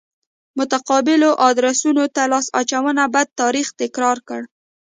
متقابلو ادرسونو ته لاس اچونه بد تاریخ تکرار کړ.